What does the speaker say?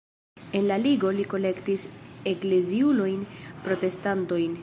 En la ligo li kolektis ekleziulojn-protestantojn.